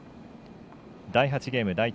第８ゲーム、第１